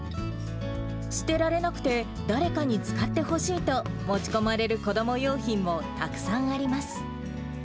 捨てられなくて、誰かに使ってほしいと持ち込まれる子ども用品もたくさんあります。